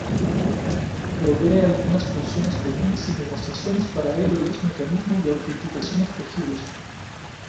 Provee algunas funciones comunes y negociaciones para el o los mecanismos de autenticación escogidos.